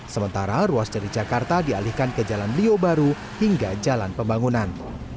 sementara ruas jari jakarta dialihkan ke jalan liobaru hingga jalan pembangunan